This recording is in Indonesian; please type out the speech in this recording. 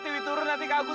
tidak tidak tidak